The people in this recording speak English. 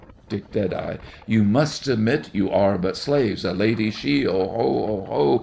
DICK. You must submit, you are but slaves; A lady she! Oho! Oho!